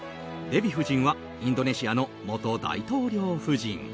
デヴィ夫人はインドネシアの元大統領夫人。